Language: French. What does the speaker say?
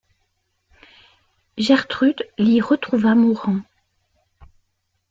Gertrude l’y retrouva mourant.